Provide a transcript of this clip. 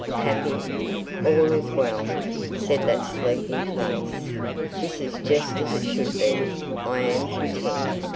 happy.... All is well, said that sleeping face. This is just as it should be. I am content.